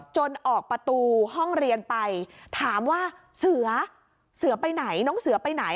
ออกประตูห้องเรียนไปถามว่าเสือเสือไปไหนน้องเสือไปไหน